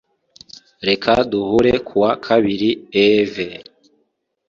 Reka duhure kuwa kabiri Eevee